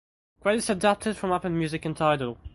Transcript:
Credits adapted from Apple Music and Tidal.